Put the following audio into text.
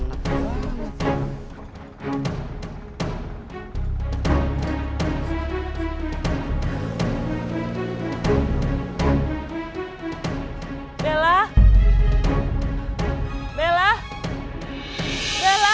aku cuma pengen tahu aja